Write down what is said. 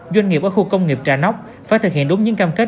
doanh nghiệp ở khu công nghiệp trà nóc phải thực hiện đúng những cam kết